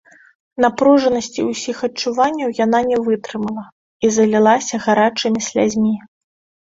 Напружанасці ўсіх адчуванняў яна не вытрымала і залілася гарачымі слязьмі.